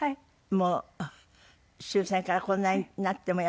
もう終戦からこんなになってもやっぱり。